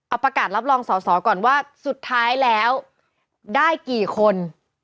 เอาประกาศรับรองสอสอก่อนว่าสุดท้ายแล้วได้กี่คน